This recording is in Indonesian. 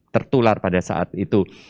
tertular pada saat itu